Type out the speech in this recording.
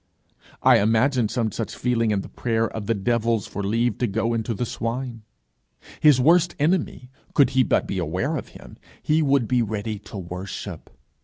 I imagine some such feeling in the prayer of the devils for leave to go into the swine. His worst enemy, could he but be aware of him, he would be ready to worship.